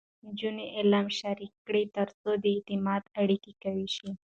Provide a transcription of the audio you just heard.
نجونې علم شریک کړي، ترڅو د اعتماد اړیکې قوي شي.